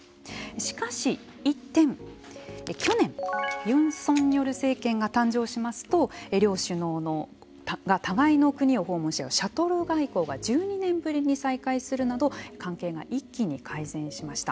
しかし、一転去年、ユン・ソンニョル政権が誕生しますと両首脳が互いの国を訪問し合うシャトル外交が１２年ぶりに再開するなど関係が一気に改善しました。